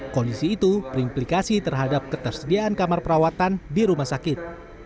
kondisi itu berimplikasi terhadap ketersediaan kamar perawatan di rumah sakit